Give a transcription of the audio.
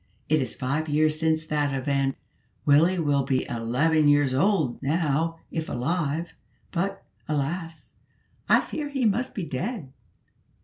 It is five years since that event. Willie will be eleven years old now, if alive; but, alas! I fear he must be dead."